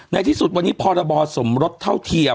ในที่สุดวันนี้พรบสมรสเท่าเทียม